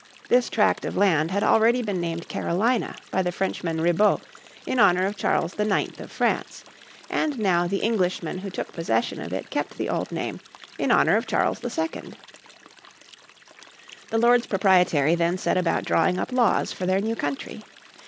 This tract of land had already been named Carolina by the Frenchman Ribaut in honour of Charles IX of France, and now the Englishmen who took possession of it kept the old name in honour of Charles II. The Lords Proprietary then set about drawing up laws for their new country.